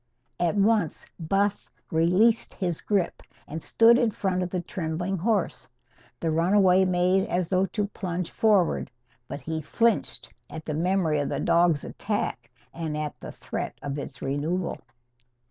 At once Buff released his grip and stood in front of the trembling horse. The runaway made as though to plunge forward. But he flinched at the memory of the dog's attack and at the threat of its renewal.